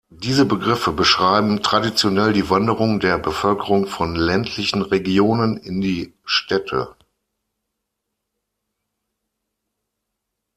Diese Begriffe beschreiben traditionell die Wanderung der Bevölkerung von ländlichen Regionen in die Städte.